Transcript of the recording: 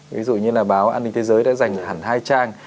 ví dụ như là báo an ninh thế giới đã dành hẳn hai trang